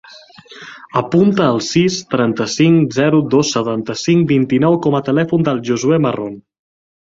Apunta el sis, trenta-cinc, zero, dos, setanta-cinc, vint-i-nou com a telèfon del Josuè Marron.